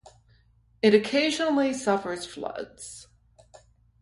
It occasionally suffers floods.